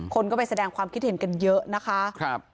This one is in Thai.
คนก็ไปแสดงความคิดเห็นกันเยอะนะคะ